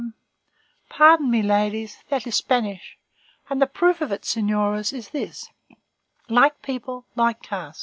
_ Pardon me ladies; that is Spanish. And the proof of it, señoras, is this: like people, like cask.